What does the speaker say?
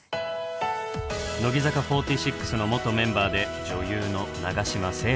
乃木坂４６の元メンバーで女優の永島聖羅さん。